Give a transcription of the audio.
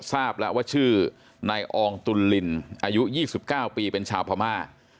ทราบแล้วว่าชื่อนายอองตุลลินอายุ๒๙ปีเป็นชาวพม่า